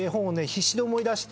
必死に思い出して。